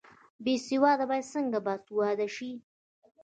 بې سواده باید څنګه باسواده شي؟